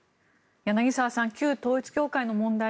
柳澤さん旧統一教会の問題